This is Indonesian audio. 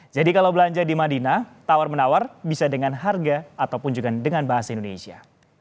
jadi kalau belanja di madinah tawar menawar bisa dengan harga ataupun juga dengan bahasa indonesia